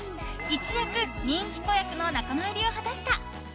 一躍人気子役の仲間入りを果たした。